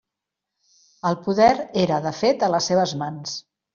El poder era, de fet, a les seves mans.